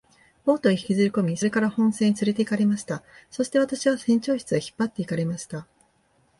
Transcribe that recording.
ボートへ引きずりこみ、それから本船へつれて行かれました。そして私は船長室へ引っ張って行かれました。